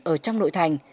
ở trong nội thành